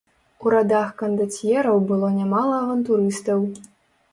У радах кандацьераў было нямала авантурыстаў.